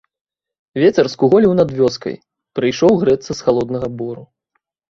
Вецер скуголіў над вёскай, прыйшоў грэцца з халоднага бору.